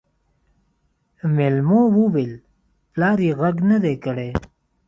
مېلمو وويل پلار يې غږ نه دی کړی.